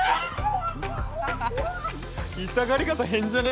痛がり方変じゃね？